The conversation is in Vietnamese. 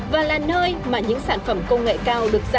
và là nơi mà những sản phẩm công nghệ cao được gia đình